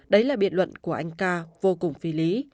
đấy là biện luận của anh ca vô cùng phi lý